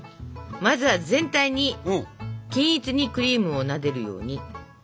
まずは全体に均一にクリームをなでるように塗ってください。